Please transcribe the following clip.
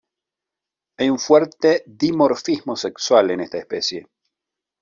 Hay un fuerte dimorfismo sexual en esta especie.